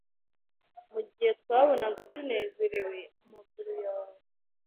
mugihe twabonaga tunezerewe amaguru yawe